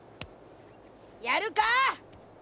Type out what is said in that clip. やるか？